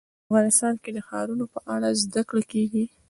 افغانستان کې د ښارونو په اړه زده کړه کېږي.